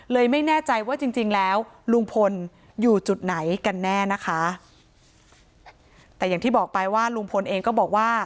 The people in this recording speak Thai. ไม่แน่ใจว่าจริงจริงแล้วลุงพลอยู่จุดไหนกันแน่นะคะแต่อย่างที่บอกไปว่าลุงพลเองก็บอกว่า